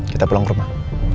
kita pulang ke rumah